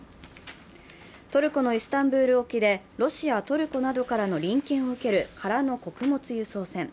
トルコのイスタンブール沖でロシア、トルコなどからの臨検を受ける空の穀物輸送船。